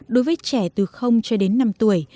đối với trẻ từ cho đến năm tuổi